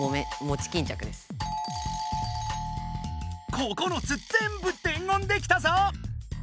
９つ全部伝言できたぞ！